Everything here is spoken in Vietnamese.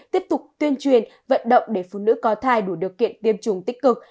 tiếp tục tuyên truyền vận động để phụ nữ có thai đủ điều kiện tiêm chủng tích cực